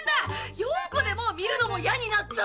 ４個でもう見るのも嫌になった。